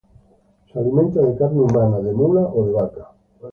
Se alimenta de carne humana, de mula o de vaca.